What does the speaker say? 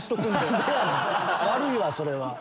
悪いわそれは。